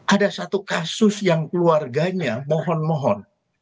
ada satu kasus yang keluarganya mohon mohon